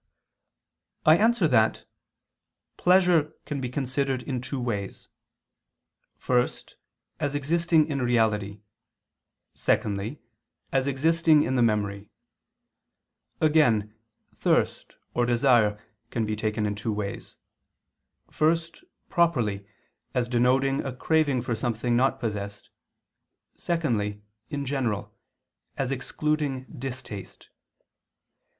I answer that, Pleasure can be considered in two ways; first, as existing in reality; secondly, as existing in the memory. Again thirst, or desire, can be taken in two ways; first, properly, as denoting a craving for something not possessed; secondly, in general, as excluding distaste.